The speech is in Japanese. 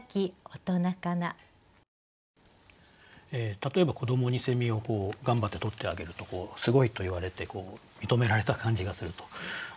例えば子どもにを頑張って捕ってあげると「すごい」と言われて認められた感じがすると。